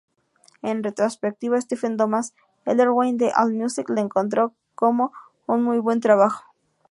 En retrospectiva, Stephen Thomas Erlewine de AllMusic lo encontró como un muy buen trabajo.